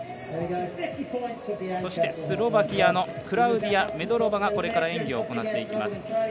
そしてスロバキアのクラウディア・メドロバがこれから演技を行っていきます。